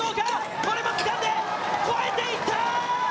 これもつかんで、越えていった！